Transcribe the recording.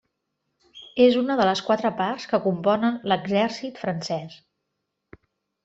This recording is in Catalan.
És una de les quatre parts que componen l'exèrcit francès.